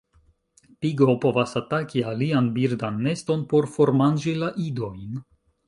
Pigo povas ataki alian birdan neston por formanĝi la idojn.